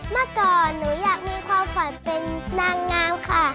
เมื่อก่อนหนูอยากมีความฝันเป็นนางงามค่ะ